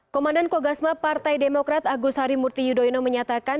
komandan kogasma partai demokrat agus harimurti yudhoyono menyatakan